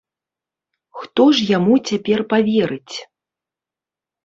Хто ж яму цяпер паверыць?